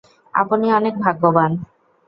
আপনি অনেক ভাগ্যবান।